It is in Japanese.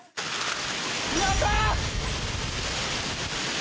やった！